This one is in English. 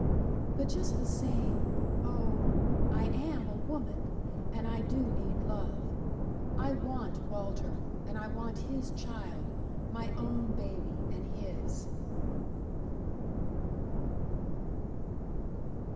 "But just the same oh, I am a woman, and I do need love. I want Walter, and I want his child, my own baby and his."